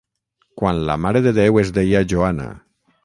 Quan la Mare de Déu es deia Joana.